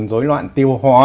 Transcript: rối loạn tiêu hóa